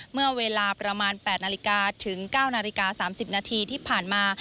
เมื่อเวลาประมาณ๘นาฬิกาถึง๙นาฬิกา๓๐นาทีที่ผ่านมา